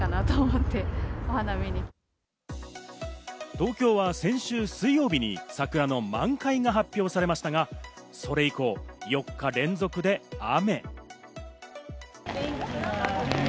東京は先週水曜日に桜の満開が発表されましたが、それ以降、４日連続で雨。